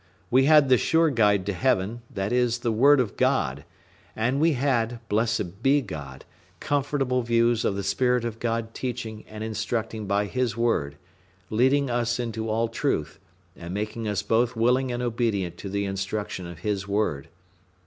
We had the sure guide to heaven, viz. the Word of God; and we had, blessed be God, comfortable views of the Spirit of God teaching and instructing by His word, leading us into all truth, and making us both willing and obedient to the instruction of His word.